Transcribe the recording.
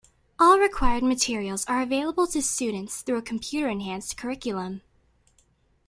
All required materials are available to students through a computer-enhanced curriculum.